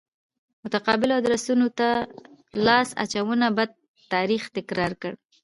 متقابلو ادرسونو ته لاس اچونه بد تاریخ تکرار کړ.